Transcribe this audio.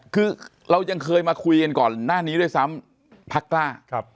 คือเรายังเคยมาคุยกันก่อนหน้านี้ด้วยซ้ำพักกล้า